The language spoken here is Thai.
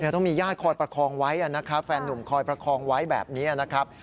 ต้องมีญาติคอยประคองไว้นะครับแฟนนุ่มคอยประคองไว้แบบนี้นะครับ